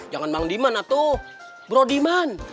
jangan bang diman atuh bro diman